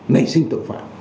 nảy sinh tội phạm